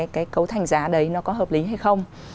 cái cấu thành giá đấy nó có hợp lý hay không